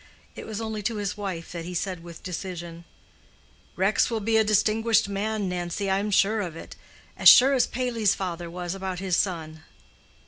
It was only to his wife that he said with decision: "Rex will be a distinguished man, Nancy, I am sure of it—as sure as Paley's father was about his son."